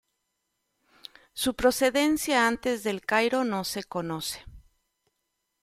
Su procedencia antes de El Cairo no se conoce.